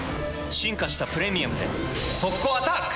進化した「プレミアム」で速攻アタック！